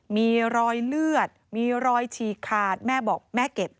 มีรอยเลือดมีรอยฉีกขาดแม่บอกแม่เก็บ